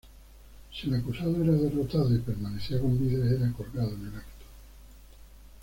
Si el acusado era derrotado, y permanecía con vida, era colgado en el acto.